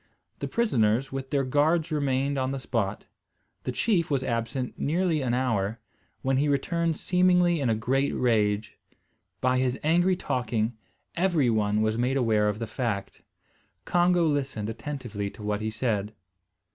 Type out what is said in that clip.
The prisoners, with their guards remained upon the spot. The chief was absent nearly an hour, when he returned seemingly in a great rage. By his angry talking, every one was made aware of the fact. Congo listened attentively to what he said.